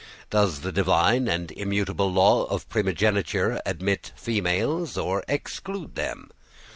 Does the divine and immutable law of primogeniture admit females, or exclude them?